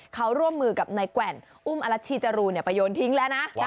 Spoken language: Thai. เขาร่วมมือกับนายแกว่นอุ้มอรัชชีจรูนไปโยนทิ้งแล้วนะ